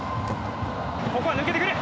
ここは抜けてくる。